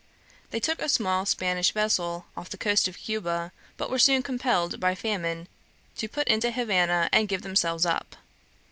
They took a small Spanish vessel off the coast of Cuba, but were soon compelled by famine to put into Havana and give themselves up.